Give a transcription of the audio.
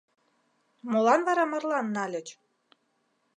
— Молан вара марлан нальыч?..